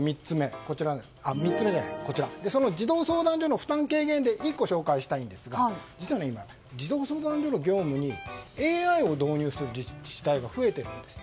そして、児童相談所の負担軽減で１個紹介したいんですが実は今、児童相談所の業務にＡＩを導入する自治体が増えているんです。